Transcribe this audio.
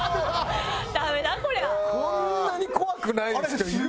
こんなに怖くない人いるの？